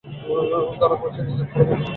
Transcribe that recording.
ধরা পড়ছে নিজের খর্বতা।